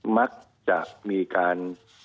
มักจะมีการ